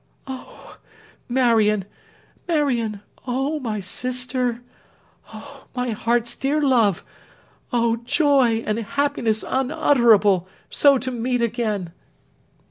'Oh, Marion, Marion! Oh, my sister! Oh, my heart's dear love! Oh, joy and happiness unutterable, so to meet again!